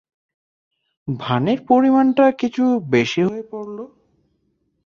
ভানের পরিমাণটা কিছু বেশি হয়ে পড়ল।